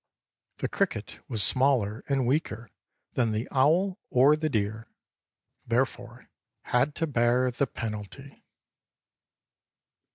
The cricket was smaller and weaker than the owl or the deer, therefore had to bear the penalty.